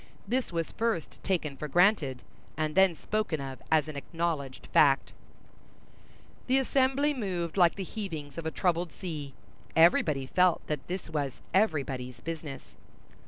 This was first taken for granted, and then spoken of as an acknowledged fact. The assembly moved like the heavings of a troubled sea. Everybody felt that this was everybody's business.